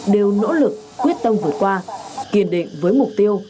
đều nỗ lực quyết tâm vượt qua kiên định với mục tiêu